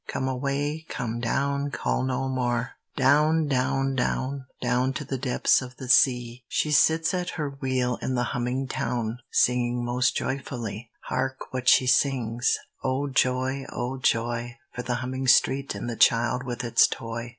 Come away, come down, call no more! Down, down, down! Down to the depths of the sea! She sits at her wheel in the humming town, Singing most joyfully. Hark what she sings: "O joy, O joy, For the humming street, and the child with its toy